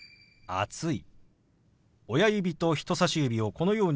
「暑い」。